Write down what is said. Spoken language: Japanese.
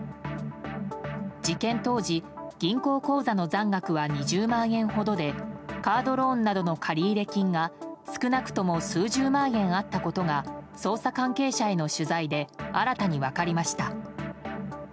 事件当時、銀行口座の残額は２０万円ほどでカードローンなどの借入金が少なくとも数十万円あったことが捜査関係者への取材で新たに分かりました。